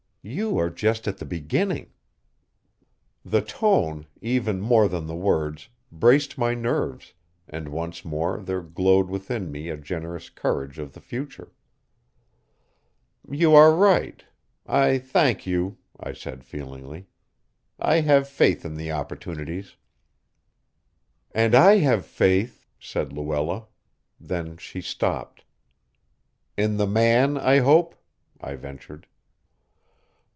"You are just at the beginning." The tone, even more than the words, braced my nerves, and once more there glowed within me a generous courage of the future. "You are right. I thank you," I said feelingly. "I have faith in the opportunities." "And I have faith " said Luella. Then she stopped. "In the man, I hope," I ventured.